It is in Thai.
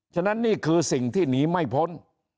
ฉะนั้นนี่คือสิ่งที่หนีไม่พ้น